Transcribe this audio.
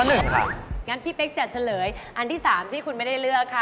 งั้นพี่เป๊กจะเฉลยอันที่๓ที่คุณไม่ได้เลือกค่ะ